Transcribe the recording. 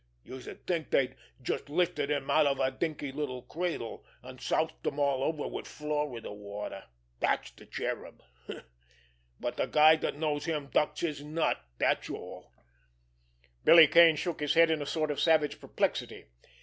Youse'd think dey'd just lifted him out of a dinky little cradle an' soused him all over wid Florida water—dat's de Cherub. But de guy dat knows him ducks his nut—dat's all." Billy Kane shook his head in a sort of savage perplexity.